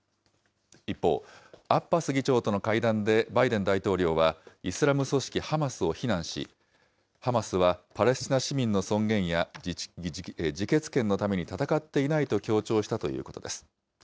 一方、アッバス議長との会談でバイデン大統領は、イスラム組織ハマスを非難し、ハマスはパレスチナ市民の尊厳や自決権のために戦っていないと強調したということです。